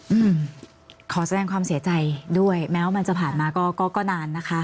อืมขอแสดงความเสียใจด้วยแม้ว่ามันจะผ่านมาก็ก็ก็นานนะคะ